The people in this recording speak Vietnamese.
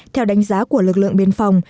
theo đánh giá của lực lượng biên phòng